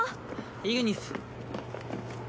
イグニス。